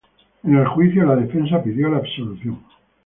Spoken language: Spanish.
En el juicio la defensa pidió la absolución.